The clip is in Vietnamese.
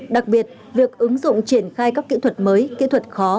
đặc biệt việc ứng dụng triển khai các kỹ thuật mới kỹ thuật khó